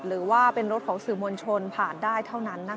หรือว่าเป็นรถของสื่อมวลชนผ่านได้เท่านั้นนะคะ